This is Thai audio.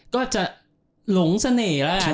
ก็จะหลงเสน่ห์แล้วกัน